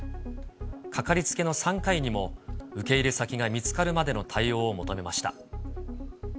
掛かりつけの産科医にも、受け入れ先が見つかるまでの対応を求めました。